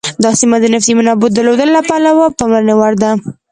دا سیمه د نفتي منابعو درلودلو له پلوه د پاملرنې وړ ده.